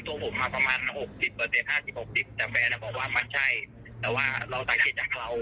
แต่ว่าเราตามเขตจากเคราะห์